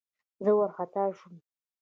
زه وارخطا شوم.